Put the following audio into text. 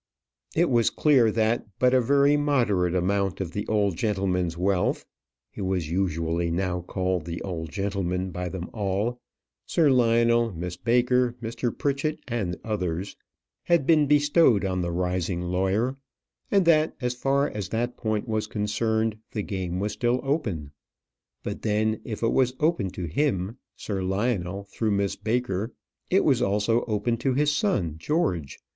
It was clear that but a very moderate amount of the old gentleman's wealth he was usually now called the old gentleman by them all; Sir Lionel, Miss Baker, Mr. Pritchett, and others had been bestowed on the rising lawyer; and that, as far as that point was concerned, the game was still open. But then, if it was open to him, Sir Lionel, through Miss Baker, it was also open to his son George.